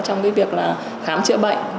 trong cái việc là khám chữa bệnh